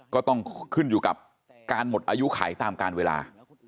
ก็ต้องขึ้นอยู่กับการหมดอายุไขตามการเวลา